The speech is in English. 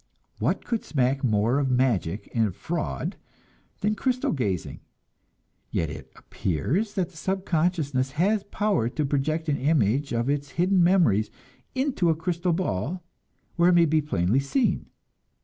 What could smack more of magic and fraud than crystal gazing? Yet it appears that the subconsciousness has power to project an image of its hidden memories into a crystal ball, where it may be plainly seen.